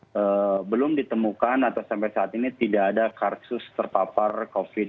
yang belum ditemukan atau sampai saat ini tidak ada karsus terpapar covid sembilan belas